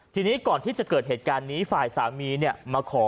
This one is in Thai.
ทีนี้ก่อนที่จะเกิดเหตุการณ์นี้ฝ่ายสามีมาขอ